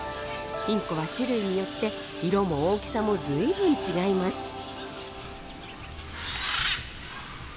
インコは種類によって色も大きさも随分違います。